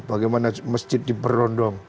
bagaimana masjid diberondong